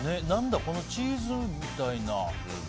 このチーズみたいな。